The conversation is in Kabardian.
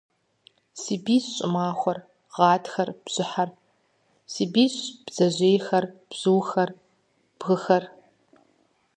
Си бийщ щӏымахуэр, гъатхэр, бжьыхьэр. Си бийщ, бдзэжьейхэр, бзухэр, бгыхэр.